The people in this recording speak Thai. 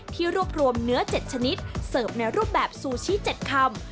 ที่รวบรวมเนื้อ๗ชนิดเสิร์ฟในรูปแบบซูชิ๗คำ